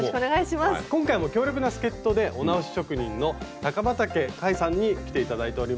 今回も強力な助っ人でお直し職人の高畠海さんに来て頂いております。